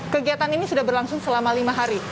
kegiatan ini sudah berlangsung selama lima hari